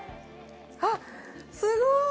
あっすごい！